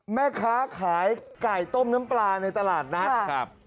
แม่ค้าขายไก่ต้มน้ำปลาในตลาดนัดครับ